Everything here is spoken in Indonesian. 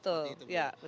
terima kasih banyak ibu